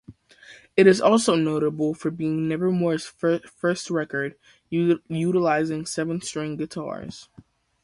It is also notable for being Nevermore's first record utilizing seven-string guitars.